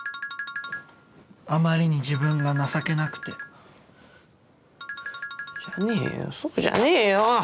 あまりに自分が情けなくて。じゃねえよそうじゃねえよ！